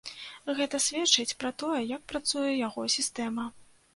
Гэта сведчыць пра тое, як працуе яго сістэма.